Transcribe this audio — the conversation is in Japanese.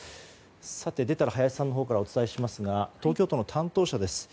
出たら林さんからお伝えしますが東京都の担当者です。